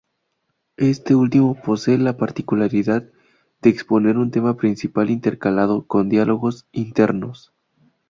Este último posee la particularidad de exponer un tema principal intercalado con diálogos internos.